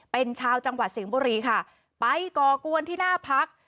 เป็นชาวจังหวัดสิงห์บุรีค่ะไปก่อกวนที่หน้าพัก